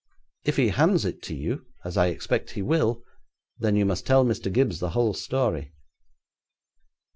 If he hands it to you, as I expect he will, then you must tell Mr. Gibbes the whole story.'